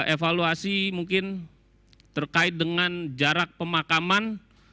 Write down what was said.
evaluasi mungkin terkait dengan jarak pemakaman